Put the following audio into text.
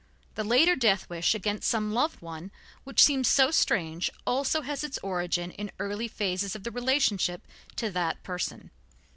The later death wish against some loved one, which seems so strange, also has its origin in early phases of the relationship to that person.